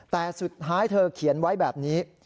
แต่สุดท้ายเธอเขียนไว้แบบนี้